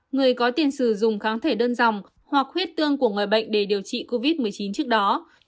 người có tiền sử dụng kháng thể đơn dòng hoặc huyết tương của người bệnh để điều trị covid một mươi chín trước đó